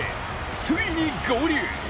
ついに合流！